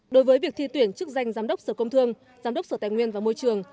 đối với việc thi tuyển chức danh giám đốc sở công thương giám đốc sở tài nguyên và môi trường